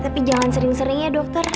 tapi jangan sering sering ya dokter